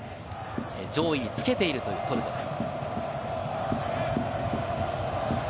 上位につけているというトルコです。